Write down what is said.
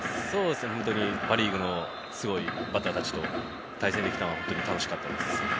パ・リーグのすごいバッターたちと対戦できたのが本当に楽しかったです。